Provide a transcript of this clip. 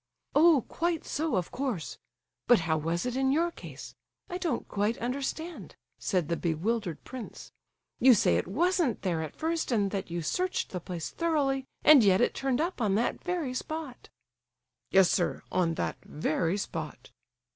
"Oh, quite so, of course. But how was it in your case?—I don't quite understand," said the bewildered prince. "You say it wasn't there at first, and that you searched the place thoroughly, and yet it turned up on that very spot!" "Yes, sir—on that very spot."